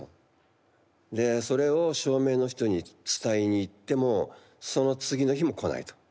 でそれを照明の人に伝えにいってもその次の日も来ないと。